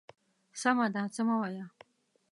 _سمه ده، څه مه وايه.